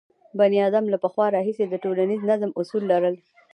بنیادم له پخوا راهیسې د ټولنیز نظم اصول لرل.